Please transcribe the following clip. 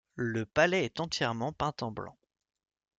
Le palais est entièrement peint en blanc.